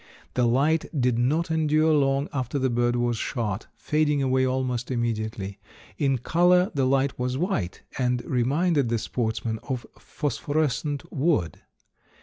The light did not endure long after the bird was shot, fading away almost immediately. In color the light was white and reminded the sportsman of phosphorescent wood.